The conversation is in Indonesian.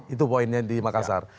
itu poinnya di makassar